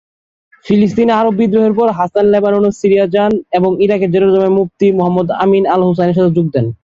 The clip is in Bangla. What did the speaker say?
ফিলিস্তিনে আরব বিদ্রোহের পর হাসান লেবানন ও সিরিয়া যান এবং ইরাকে জেরুজালেমের মুফতি মুহাম্মদ আমিন আল-হুসাইনির সাথে যোগ দেন।